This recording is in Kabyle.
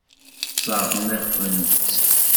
Sseṛɣen-akent-tt.